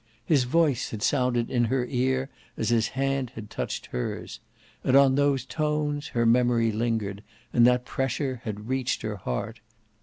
His voice had sounded in her ear as his hand had touched hers. And on those tones her memory lingered, and that pressure had reached her heart.